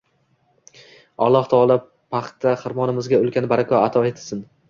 Alloh taolo paxta xirmonimizga ulkan baraka ato etsin